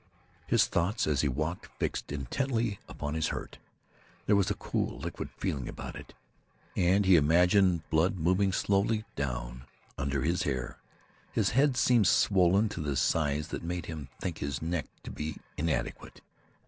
His thoughts, as he walked, fixed intently upon his hurt. There was a cool, liquid feeling about it and he imagined blood moving slowly down under his hair. His head seemed swollen to a size that made him think his neck to be inadequate.